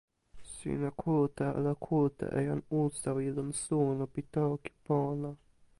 sina kute ala kute e jan Usawi lon suno pi toki pona?